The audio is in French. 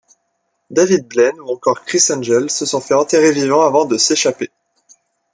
David Blaine ou encore Criss Angel se sont fait enterrer vivants avant de s'échapper.